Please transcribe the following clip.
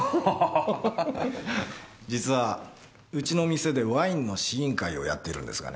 実はうちの店でワインの試飲会をやってるんですがね。